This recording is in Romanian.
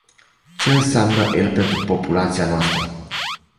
Ce înseamnă el pentru populația noastră?